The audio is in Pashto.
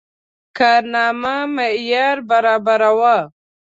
کارنامه معیار برابره وه.